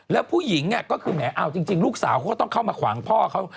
แล้วผู้หญิงก็คือแหมเอาจริงลูกสาวเขาก็ต้องเข้ามาขวางพ่อเขา